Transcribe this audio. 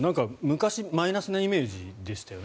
昔、マイナスなイメージでしたよね。